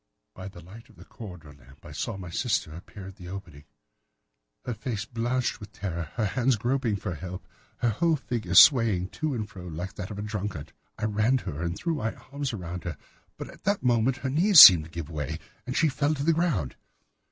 By the light of the corridor lamp I saw my sister appear at the opening, her face blanched with terror, her hands groping for help, her whole figure swaying to and fro like that of a drunkard. I ran to her and threw my arms round her, but at that moment her knees seemed to give way and she fell to the ground.